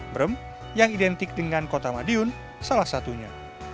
brem yang identik dengan kota madiun salah satunya